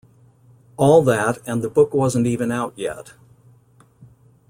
All that, and the book wasn't even out yet.